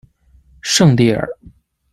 圣蒂尔。